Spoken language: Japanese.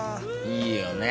いいよね。